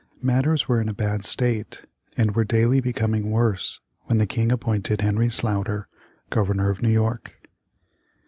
Matters were in a bad state, and were daily becoming worse, when the King appointed Henry Sloughter Governor of New York.